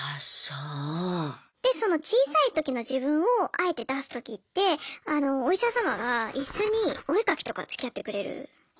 でその小さい時の自分をあえて出すときってお医者様が一緒にお絵描きとかつきあってくれる。